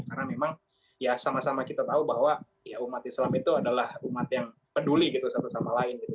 karena memang ya sama sama kita tahu bahwa ya umat islam itu adalah umat yang peduli gitu satu sama lain gitu